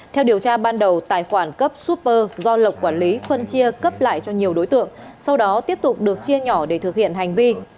theo điều tra ban đầu tài khoản cấp super do lộc quản lý phân chia cấp lại cho nhiều đối tượng sau đó tiếp tục được chia nhỏ để thực hiện hành vi